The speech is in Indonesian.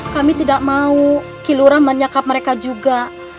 kami tidak mau kilurah menyekap mereka juga